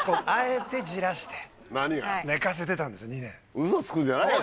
うそつくんじゃないよ！